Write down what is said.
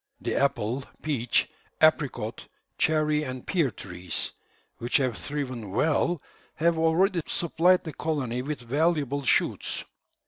The apple, peach, apricot, cherry, and pear trees, which have thriven well, have already supplied the colony with valuable shoots.